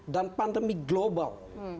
dan pandemi global